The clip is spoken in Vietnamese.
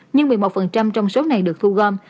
nhưng một mươi một trong số này được thu gom